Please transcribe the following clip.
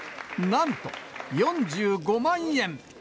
なんと、４５万円。